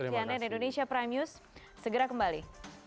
cnn indonesia prime news segera kembali